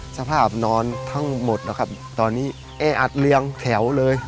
สภาพนอนทั้งหมดนะครับตอนนี้แออัดเรียงแถวเลย